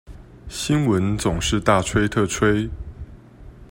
新聞總是大吹特吹